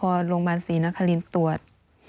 พอโรงพยาบาลศรีนครินทร์ตรวจ